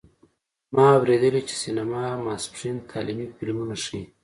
ما اوریدلي چې سینما ماسپښین تعلیمي فلمونه ښیې